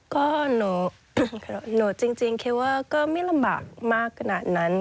ก็หนูจริงคิดว่าก็ไม่ลำบากมากขนาดนั้น